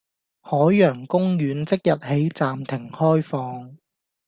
海洋公園即日起暫停開放